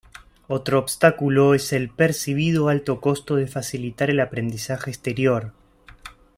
Otro obstáculo es el percibido alto costo de facilitar el aprendizaje exterior.